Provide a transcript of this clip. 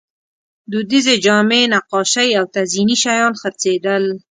دودیزې جامې، نقاشۍ او تزییني شیان خرڅېدل.